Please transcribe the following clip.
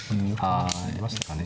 あありましたかね。